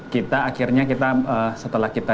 kita akhirnya setelah kita